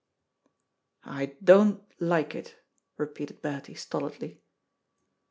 "I don't like it," repeated Bertie stolidly.